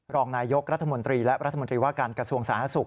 รองนายกรัฐมนตรีและรัฐมนตรีว่าการกระทรวงสาธารณสุข